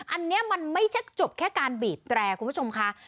อันนี้มันไม่ใช่จบแค่การบีบแตรคุณผู้ชมค่ะ